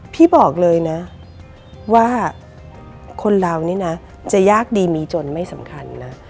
พี่บอกเลยนะว่าคนเรานี่นะจะยากดีมีจนไม่สำคัญนะ